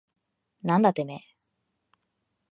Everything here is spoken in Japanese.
なんだてめえ。